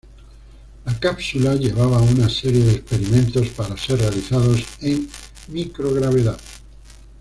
La cápsula llevaba una serie de experimentos para ser realizados en microgravedad.